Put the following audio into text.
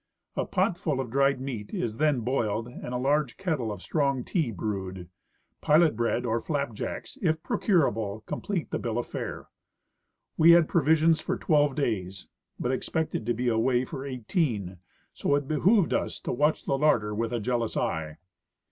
A pot full of dried meat is then boiled and a large kettle of strong tea brewed ; pilot bread or flap jacks, if procurable, complete the 1:»ill of fare. We had pro visions for twelve days, but expected to be away for eighteen, so it behooved us to watch the larder with a jealous eye.